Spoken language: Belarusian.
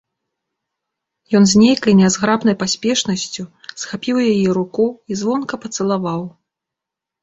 Ён з нейкай нязграбнай паспешнасцю схапіў яе руку і звонка пацалаваў.